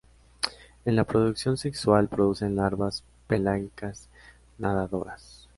En la reproducción sexual producen larvas pelágicas nadadoras.